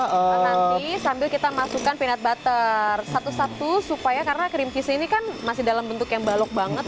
nanti sambil kita masukkan pinot butter satu satu supaya karena cream peace ini kan masih dalam bentuk yang balok banget